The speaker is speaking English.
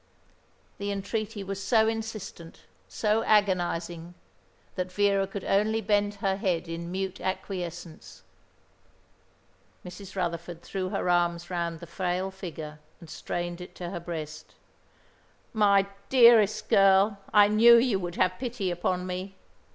The entreaty was so insistent, so agonising, that Vera could only bend her head in mute acquiescence. Mrs. Rutherford threw her arms round the frail figure and strained it to her breast. "My dearest girl, I knew you would have pity upon me.